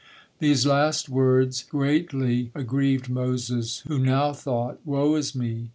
'" These last words greatly aggrieved Moses, who not thought: "Woe is me!